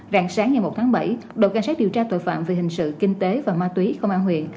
rạng sáng ngày một tháng bảy đội canh sát điều tra tội phạm về hình sự kinh tế và ma túy công an huyện